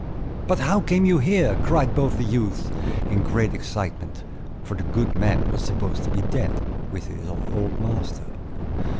"But how came you here?" cried both the youths, in great excitement; for the good man was supposed to be dead, with his old master.